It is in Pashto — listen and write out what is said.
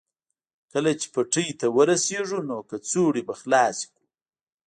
کله چې پټي ته ورسېږو نو کڅوړه به خلاصه کړو